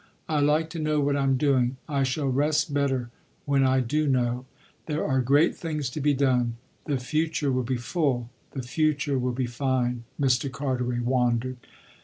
I like to know what I'm doing. I shall rest better when I do know. There are great things to be done; the future will be full the future will be fine," Mr. Carteret wandered.